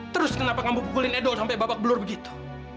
terus kenapa kamu pukulin edo sampai babak belur begitu